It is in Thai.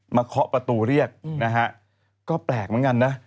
เคาะประตูเรียกนะฮะก็แปลกเหมือนกันนะ